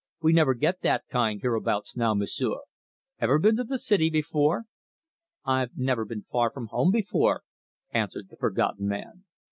We never get that kind hereabouts now, M'sieu'. Ever been to the city before?" "I've never been far from home before," answered the Forgotten Man.